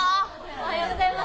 おはようございます。